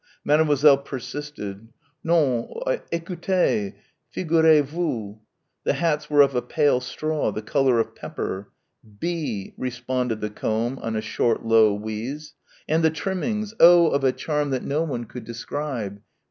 Mademoiselle persisted ... non, écoutez figurez vous the hats were of a pale straw ... the colour of pepper ... "Bee ..." responded the comb on a short low wheeze. "And the trimming oh, of a charm that no one could describe."